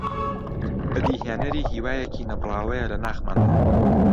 بەدیهێنەری هیوایەکی نەبڕاوەیە لە ناخماندا